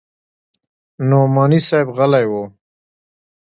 نعماني صاحب غلى و.